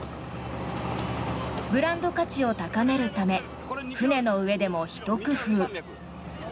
ブランド価値を高めるため船の上でもひと工夫。